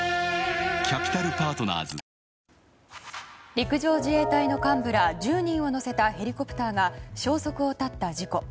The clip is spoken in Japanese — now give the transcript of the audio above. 陸上自衛隊の幹部ら１０人を乗せたヘリコプターが消息を絶った事故。